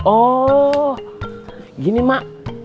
oh gini mak